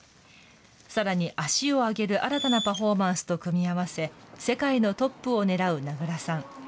さらに足を上げる新たなパフォーマンスと組み合わせ、世界のトップをねらう名倉さん。